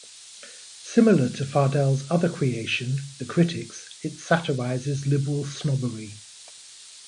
Similarly to Fardell's other creation, The Critics, it satirises liberal snobbery.